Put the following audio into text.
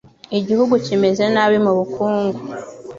Igihugu kimeze nabi mubukungu.